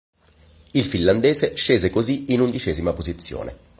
Il finlandese scese così in undicesima posizione.